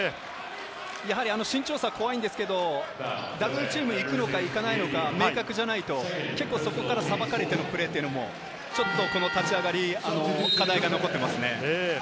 やはり、あの身長差は怖いんですけど、ダブルチームで行くのか行かないのか明確じゃないと、そこから分かれてのプレーも、この立ち上がり、課題が残っていますね。